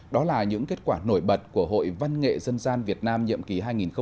đó là những kết quả nổi bật của hội văn nghệ dân gian việt nam nhiệm kỳ hai nghìn một mươi năm hai nghìn hai mươi